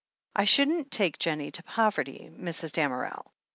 I shouldn't take Jennie to poverty, Mrs. Damerel.